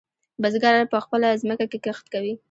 بزگر په خپله ځمکه کې کښت کوي.